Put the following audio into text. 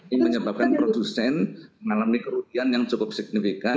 ini menyebabkan produsen mengalami kerugian yang cukup signifikan